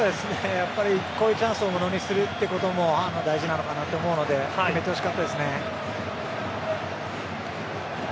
こういうチャンスを物にするということも大事なのかなと思うので決めてほしかったですね。